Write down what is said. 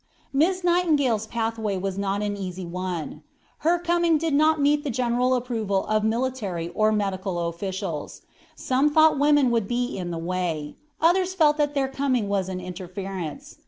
Miss Nightingale's pathway was not an easy one. Her coming did not meet the general approval of military or medical officials. Some thought women would be in the way; others felt that their coming was an interference.